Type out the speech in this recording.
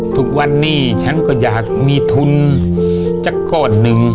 ทุกวันนี้ฉันก็อยากมีทุนสักก้อนหนึ่ง